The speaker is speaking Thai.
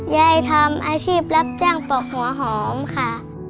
ยายทำอาชีพรับจ้างปอกหัวหอมค่ะ